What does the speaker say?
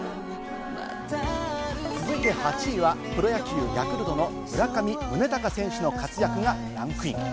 続いて８位はプロ野球、ヤクルトの村上宗隆選手の活躍がランクイン。